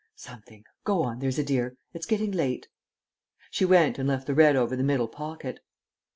"Something. Go on, there's a dear. It's getting late." She went, and left the red over the middle pocket.